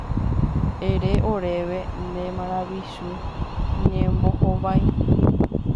Ere oréve ne maravichu ñembohovái.